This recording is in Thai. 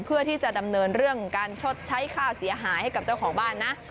เพื่อที่จะดำเนินเรื่องการชดใช้ค่าเสียหายให้กับเจ้าของบ้านนะ